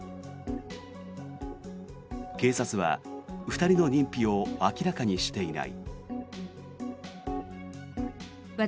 警察は２人の認否を明らかにしていない。